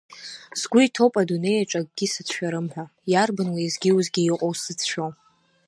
Сгәы иҭоуп адунеиҿ акгьы сацәшәарым ҳәа, иарбан уеизгьы-уеизгьы иҟоу сзыцәшәо?